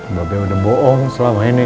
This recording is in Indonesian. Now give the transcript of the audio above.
mbak bee udah bohong selama ini